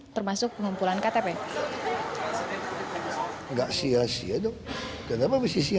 termasuk pengumpulan ktp